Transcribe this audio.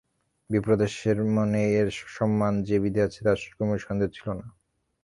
বিপ্রদাসের মনে এর অসম্মান যে বিঁধে আছে তাতে কুমুর সন্দেহ ছিল না।